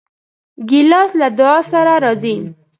ګیلاس له دعا سره راځي.